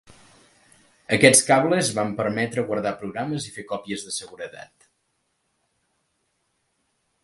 Aquests cables van permetre guardar programes i fer còpies de seguretat.